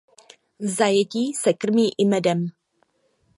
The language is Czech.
V zajetí se krmí i medem.